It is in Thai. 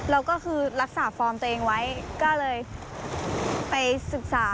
เราก็คือรักษาฟอร์มตัวเองไว้ก็เลยไปศึกษา